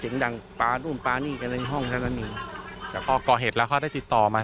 เสียงดังปานุ่มปานี่กันในห้องนี้จะก็เขาจะได้ติดต่อมาทาง